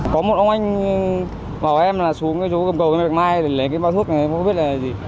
có một ông anh bảo em là xuống cái chú cầm cầu này lấy cái báo thuốc này không biết là gì